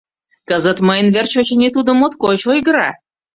Кызыт мыйын верч, очыни, тудо моткоч ойгыра.